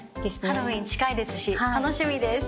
ハロウィーン近いですし楽しみです。